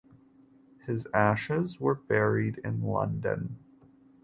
His ashes were buried in London.